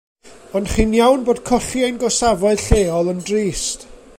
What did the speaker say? Ond chi'n iawn bod colli ein gorsafoedd lleol yn drist.